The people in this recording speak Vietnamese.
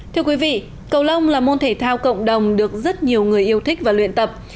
thưa quý vị cầu long là môn thể thao cộng đồng được rất nhiều người yêu thích và luyện tập